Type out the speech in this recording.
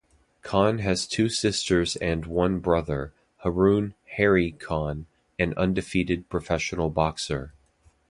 Khan has two sisters and one brother, Haroon "Harry" Khan, an undefeated professional boxer.